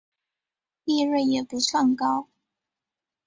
利润也不算高